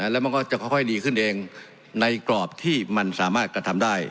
แล้วมันก็จะค่อยดีขึ้นเองในกรอบที่มันสามารถกระทำได้